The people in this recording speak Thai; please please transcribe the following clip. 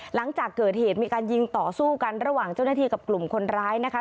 หลังจากเกิดเหตุมีการยิงต่อสู้กันระหว่างเจ้าหน้าที่กับกลุ่มคนร้ายนะคะ